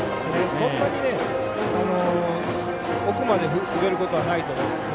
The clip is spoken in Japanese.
そんなに奥まで滑ることはないと思いますね。